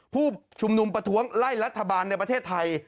ผู้ชุมนุมประท้วงไล่รัฐบาลในประเทศไทย